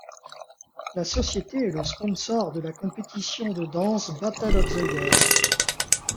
La société est le sponsor de la compétition de dance Battle of the Year.